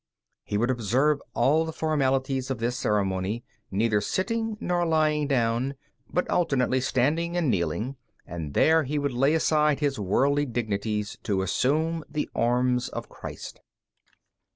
He would observe all the formalities of this ceremony, neither sitting nor lying down, but alternately standing and kneeling, and there he would lay aside his worldly dignities to assume the arms of Christ.